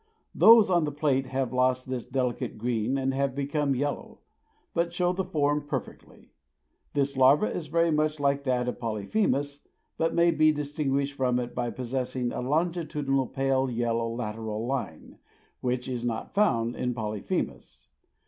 Those on the plate have lost this delicate green and have become yellow, but show the form perfectly. This larva is very much like that of Polyphemus, but may be distinguished from it by possessing a longitudinal pale yellow lateral line, which is not found in Polyphemus.